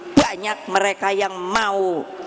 banyak mereka yang mau